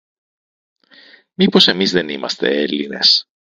Μήπως εμείς δεν είμαστε Έλληνες;